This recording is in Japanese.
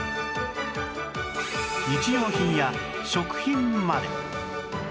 日用品や食品まで